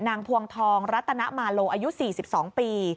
พวงทองรัตนมาโลอายุ๔๒ปี